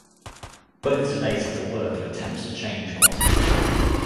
Both debated the worth of attempts to change quantum theory.